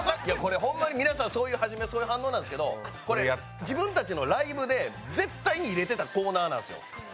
皆さん始めはそういう反応なんですけど、これ、自分たちのライブで絶対に入れてたコーナーなんですよ。